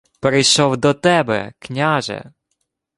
— Прийшов до тебе, княже.